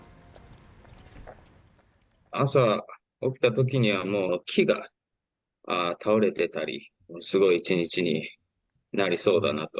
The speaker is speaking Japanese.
朝起きたときには、もう木が倒れてたり、すごい一日になりそうだなと。